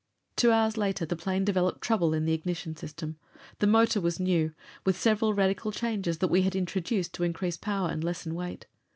Two hours later the plane developed trouble in the ignition system. The motor was new, with several radical changes that we had introduced to increase power and lessen weight.